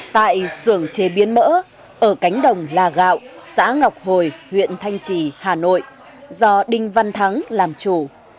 tại xưởng chế biến mỡ ở cánh đồng là gạo xã ngọc hồi huyện thanh trì hà nội do đinh văn thắng làm chủ